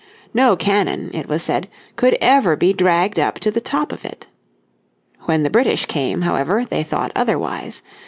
No cannon, it was said, could ever be dragged up to the top of it. When the British came, however, they thought otherwise.